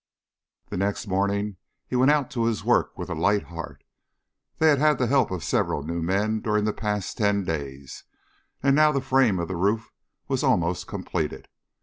The next morning he went out to his work with a light heart. They had had the help of several new men during the past ten days and now the frame of the roof was almost completed.